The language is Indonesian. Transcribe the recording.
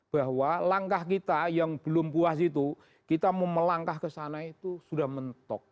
bahwa langkah kita yang belum puas itu kita mau melangkah ke sana itu sudah mentok